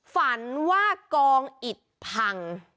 ฝันว่ากองอิดพัง